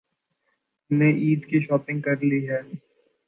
تم نے عید کی شاپنگ کر لی ہے؟